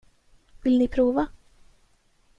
Vill ni prova?